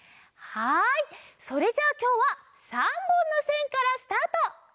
はいそれじゃあきょうは３ぼんのせんからスタート！